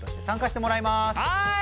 はい！